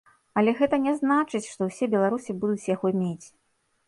Але гэта не значыць, што ўсе беларусы будуць яго мець.